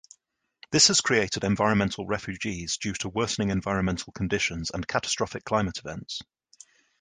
This has created environmental refugees due to worsening environmental conditions and catastrophic climate events.